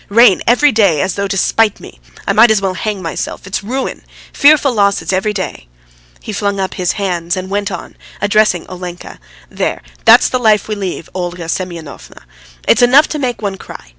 Rain every day, as though to spite me. I might as well hang myself! It's ruin! Fearful losses every day." He flung up his hands, and went on, addressing Olenka: "There! that's the life we lead, Olga Semyonovna. It's enough to make one cry.